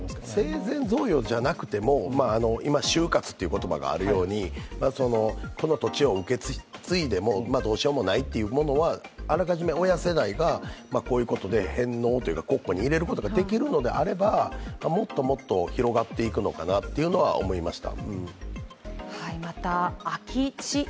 生前贈与じゃなくても今、終活という言葉があるようにこの土地を受け継いでもどうしようもないというものは、あらかじめ親世代がこういうことで返納というか国庫に入れることができるのであればもっともっと広がっていくのかなというのは思いました。